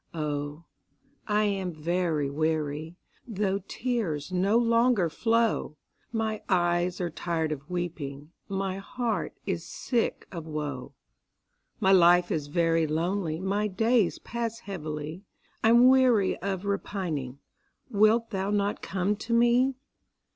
Oh, I am very weary, Though tears no longer flow; My eyes are tired of weeping, My heart is sick of woe; My life is very lonely My days pass heavily, I'm weary of repining; Wilt thou not come to me?